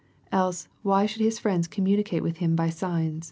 Else, why should his friends communicate with him by signa